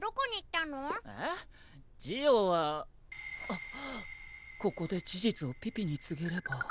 あっここで事実をピピに告げれば。